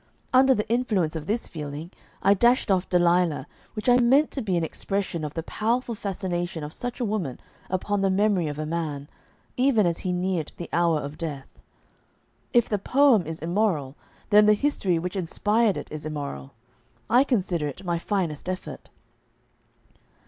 Under the influence of this feeling I dashed off "Delilah," which I meant to be an expression of the powerful fascination of such a woman upon the memory of a man, even as he neared the hour of death. If the poem is immoral, then the history which inspired it is immoral. I consider it my finest effort.